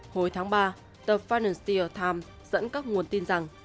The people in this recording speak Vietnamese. hồi tháng ba tờ financial times dẫn các nguồn tin rằng